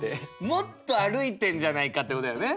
もっと歩いてんじゃないかってことだよね。